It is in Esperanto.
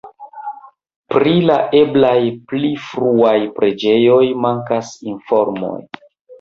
Pri la eblaj pli fruaj preĝejoj mankas informoj.